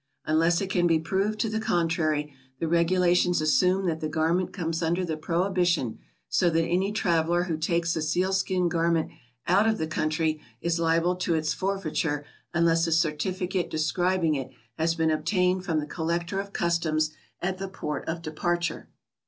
Unless it can be proved to the contrary, the regulations assume that the garment comes under the prohibition, so that any traveler who takes a seal skin garment out of the country is liable to its forfeiture unless a certificate describing it has been ob tained from the collector of customs at the port* of depatrture.